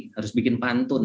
harus bikin pantun